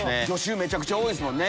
めちゃくちゃ多いですもんね